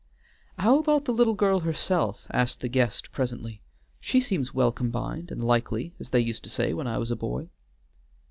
"How about the little girl herself?" asked the guest presently; "she seems well combined, and likely, as they used to say when I was a boy."